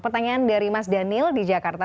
pertanyaan dari mas daniel di jakarta